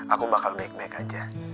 aku bakal baik baik aja